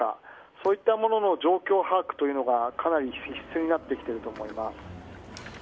そういったものの状況把握がかなり必須になってきていると思います。